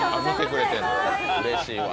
うれしいわ。